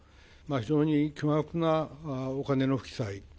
非常に巨額なお金の不記載。